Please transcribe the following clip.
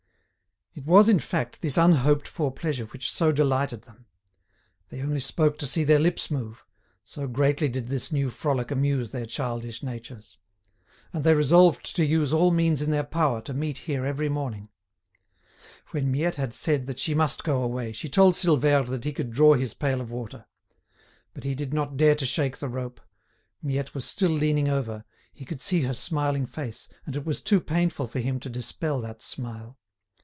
It was, in fact, this unhoped for pleasure which so delighted them. They only spoke to see their lips move, so greatly did this new frolic amuse their childish natures. And they resolved to use all means in their power to meet here every morning. When Miette had said that she must go away, she told Silvère that he could draw his pail of water. But he did not dare to shake the rope; Miette was still leaning over—he could see her smiling face, and it was too painful to him to dispel that smile.